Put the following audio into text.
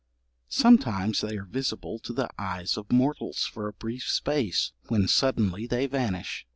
Sometimes they are visible to the eyes of mortals for a brief space, when suddenly they vanish.